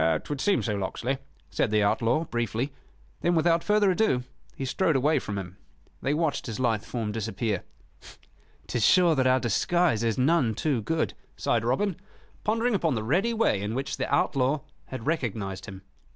"'Twould seem so, Locksley," said the outlaw, briefly. Then, without further ado, he strode away from him. They watched his lithe form disappear. "'Tis sure that our disguise is none too good," sighed Robin, pondering upon the ready way in which the outlaw had recognized him.